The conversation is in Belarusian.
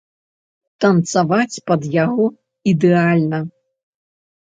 Танцаваць пад яго ідэальна.